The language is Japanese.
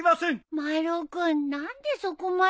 丸尾君何でそこまで。